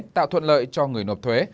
tạo thuận lợi cho người nộp thuế